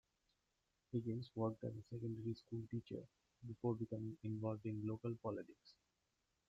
Higgins worked as a secondary school teacher before becoming involved in local politics.